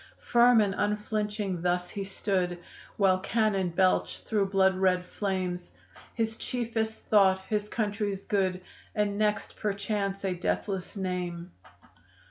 Firm and unflinching thus he stood, While cannon belched through blood red flames; His chiefest thought his country's good, And next perchance a deathless name.